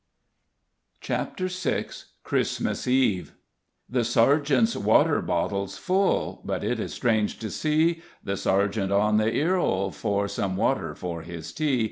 CHAPTER VI CHRISTMAS EVE The sergeant's water bottle's full, But it is strange to see The sergeant on the 'ear'ole for Some water for his tea.